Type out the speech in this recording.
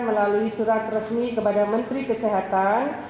melalui surat resmi kepada menteri kesehatan